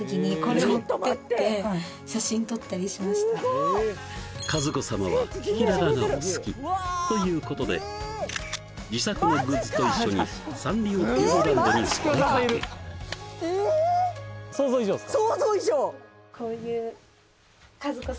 こっちのかずこ様はキキ＆ララがお好きということで自作のグッズと一緒にサンリオピューロランドにお出かけ想像以上っすか？